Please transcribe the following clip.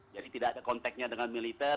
jadi tidak ada konteknya dengan militer